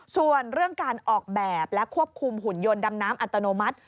ส่วนเรื่องการออกแบบและควบคุมหุ่นยนต์ดำน้ำอัตโนมัติ